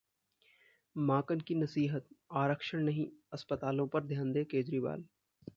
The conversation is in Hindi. माकन की नसीहत- आरक्षण नहीं, अस्पतालों पर ध्यान दें केजरीवाल